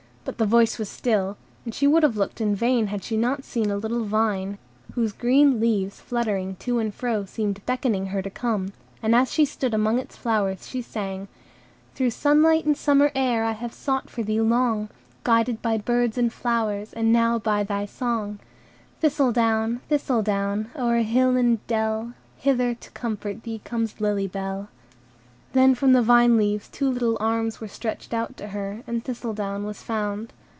But the voice was still, and she would have looked in vain, had she not seen a little vine, whose green leaves fluttering to and fro seemed beckoning her to come; and as she stood among its flowers she sang,— "Through sunlight and summer air I have sought for thee long, Guided by birds and flowers, And now by thy song. "Thistledown! Thistledown! O'er hill and dell Hither to comfort thee Comes Lily Bell." Then from the vine leaves two little arms were stretched out to her, and Thistledown was found.